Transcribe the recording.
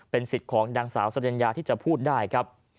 สิทธิ์ของนางสาวสริญญาที่จะพูดได้ครับ